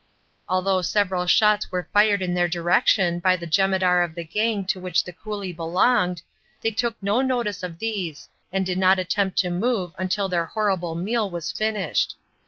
Although several shots were fired in their direction by the jemadar of the gang to which the coolie belonged, they took no notice of these and did not attempt to move until their horrible meal was finished.